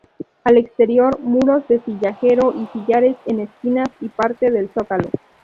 Al exterior muros de sillarejo y sillares en esquinas y parte del zócalo.